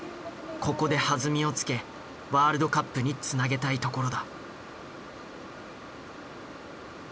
ここで弾みをつけワールドカップにつなげたいところだ。